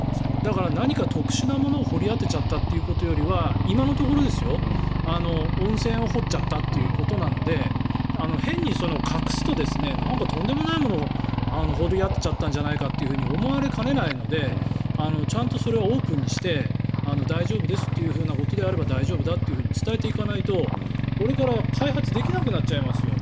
だから、何か特殊なものを掘り当てちゃったということよりは今のところ、温泉を掘っちゃったということなので変に隠すと何かとんでもないものを掘り当てちゃったんじゃないかって思われかねないのでちゃんとそれはオープンにして大丈夫ですということであれば大丈夫だと伝えていかないとこれから開発できなくなっちゃいますよ。